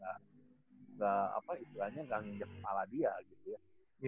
gak apa istilahnya gak nginjek kepala dia gitu ya